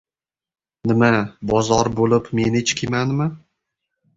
— Nima, bozor bo‘lib men echkimanmi!